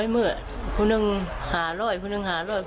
เมืองผู้หนึ่งหาร้อยผู้หนึ่งหาร้อย